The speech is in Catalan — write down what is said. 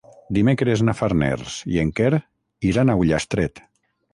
Dimecres na Farners i en Quer iran a Ullastret.